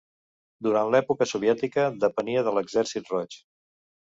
Durant l'època soviètica depenia de l'Exèrcit Roig.